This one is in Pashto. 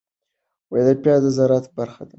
پياز د زراعت برخه ده